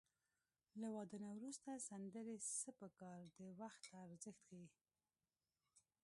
له واده نه وروسته سندرې څه په کار د وخت ارزښت ښيي